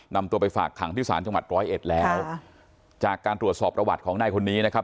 นำตัวไปฝากขังที่ศาลจังหวัดร้อยเอ็ดแล้วจากการตรวจสอบประวัติของนายคนนี้นะครับ